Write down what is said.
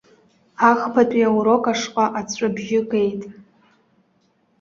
Ахԥатәи аурок ашҟа аҵәҵәабжьы геит.